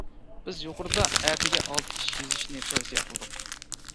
بىز يۇقىرىدا ئەتىگە ئالتە ئىش يېزىشنى تەۋسىيە قىلدۇق.